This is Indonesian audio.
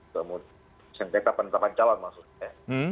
pencerita penetapan calon maksudnya